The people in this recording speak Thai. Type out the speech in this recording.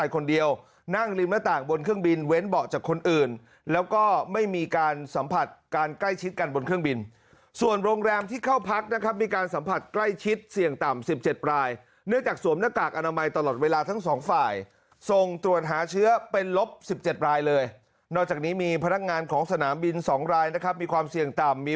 คนเดียวนั่งริมหน้าต่างบนเครื่องบินเว้นเบาะจากคนอื่นแล้วก็ไม่มีการสัมผัสการใกล้ชิดกันบนเครื่องบินส่วนโรงแรมที่เข้าพักนะครับมีการสัมผัสใกล้ชิดเสี่ยงต่ำ๑๗รายเนื่องจากสวมหน้ากากอนามัยตลอดเวลาทั้งสองฝ่ายส่งตรวจหาเชื้อเป็นลบ๑๗รายเลยนอกจากนี้มีพนักงานของสนามบิน๒รายนะครับมีความเสี่ยงต่ำมี